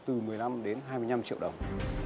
từ một mươi năm đến hai mươi năm triệu đồng